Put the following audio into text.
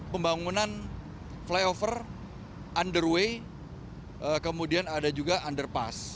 pembangunan flyover underway kemudian ada juga underpass